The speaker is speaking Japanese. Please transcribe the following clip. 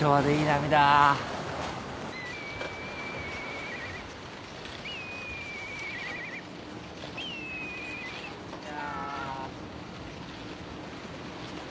・こんにちは。